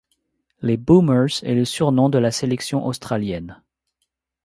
Les Boomers est le surnom de la sélection australienne.